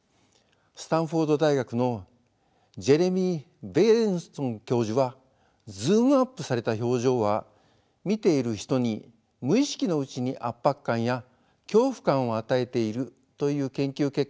スタンフォード大学のジェレミー・ベイレンソン教授はズームアップされた表情は見ている人に無意識のうちに圧迫感や恐怖感を与えているという研究結果を発表しています。